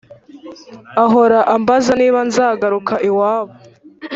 ahora ambaza niba nzagaruka iwabo